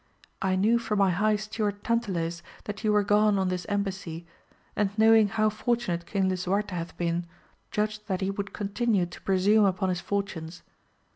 I knew from my high steward Tantiles that you were gone on this embassy, and knowing how fortu nate King Lisuarte hath been, judged that he would continue to presume upon his fortunes.